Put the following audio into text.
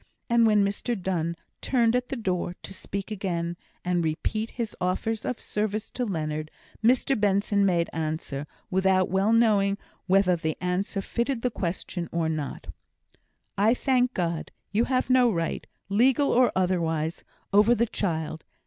And when Mr Donne turned at the door, to speak again, and repeat his offers of service to Leonard, Mr Benson made answer, without well knowing whether the answer fitted the question or not: "I thank God, you have no right, legal or otherwise, over the child.